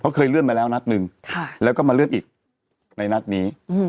เขาเคยเลื่อนมาแล้วนัดหนึ่งแล้วก็มาเลื่อนอีกในนัดนี้